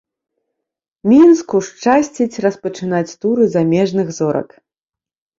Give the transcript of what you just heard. Мінску шчасціць распачынаць туры замежных зорак.